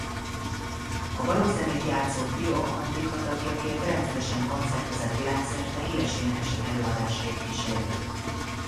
A barokk zenét játszó Trio Antiqua tagjaként rendszeresen koncertezett világszerte híres énekesek előadásait kísérve.